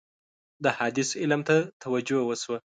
د حدیث علم ته توجه وشوه.